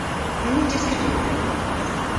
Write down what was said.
On ni dyskadoryon?